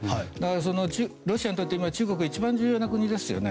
そのロシアにとって今中国が一番重要な国ですよね。